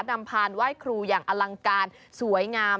นำพานไหว้ครูอย่างอลังการสวยงาม